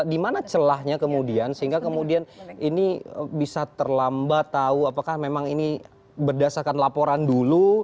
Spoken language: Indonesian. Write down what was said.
di mana celahnya kemudian sehingga kemudian ini bisa terlambat tahu apakah memang ini berdasarkan laporan dulu